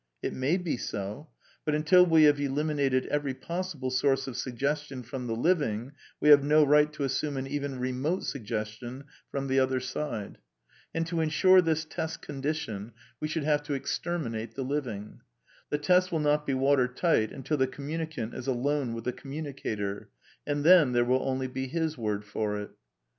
It may be so. But until we have eliminated every pos sible source of suggestion from the living we have no right to assume an even remote suggestion from "the other side." And to ensure this test condition we should CONCLUSIONS 318 have to exterminate the living. The test will not be water tight until the communicant is alone with the communica tor ; and then there will only be his word for it.